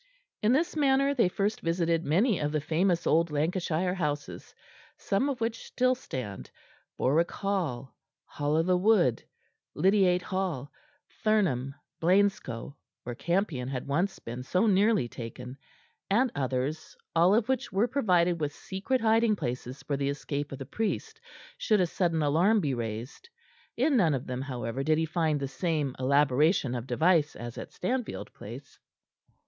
In this manner they first visited many of the famous old Lancashire houses, some of which still stand, Borwick Hall, Hall i' the Wood, Lydiate Hall, Thurnham, Blainscow, where Campion had once been so nearly taken, and others, all of which were provided with secret hiding places for the escape of the priest, should a sudden alarm be raised. In none of them, however, did he find the same elaboration of device as at Stanfield Place.